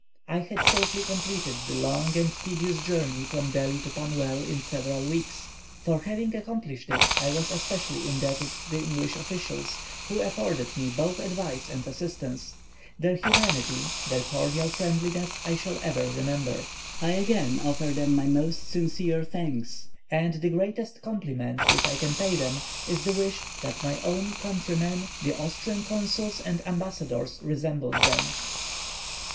I had safely completed the long and tedious journey from Delhi to Pannwell in seven weeks. For having accomplished it I was especially indebted to the English officials, who afforded me both advice and assistance; their humanity, their cordial friendliness I shall ever remember. I again offer them my most sincere and warmest thanks; and the greatest compliment which I can pay them is the wish that my own countrymen, the Austrian consuls and ambassadors, resembled them!